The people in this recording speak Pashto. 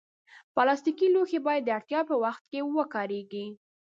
پلاستيکي لوښي باید د اړتیا پر وخت وکارېږي.